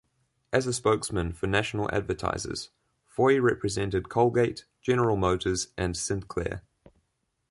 As spokesman for national advertisers, Foy represented Colgate, General Motors and Sinclair.